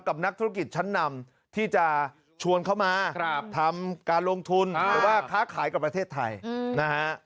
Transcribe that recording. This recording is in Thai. นักธุรกิจชั้นนำที่จะชวนเขามาทำการลงทุนหรือว่าค้าขายกับประเทศไทยนะฮะ